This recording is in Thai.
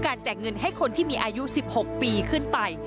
แจกเงินให้คนที่มีอายุ๑๖ปีขึ้นไป